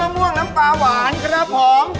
ม่วงน้ำปลาหวานครับผม